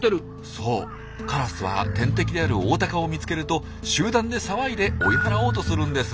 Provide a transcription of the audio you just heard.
そうカラスは天敵であるオオタカを見つけると集団で騒いで追い払おうとするんです。